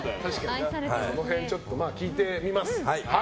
その辺、聞いてみます。